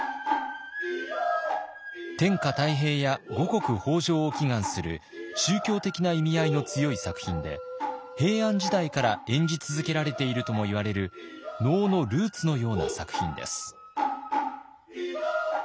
天下太平や五穀豊穣を祈願する宗教的な意味合いの強い作品で平安時代から演じ続けられているともいわれる能のルーツのような作品です。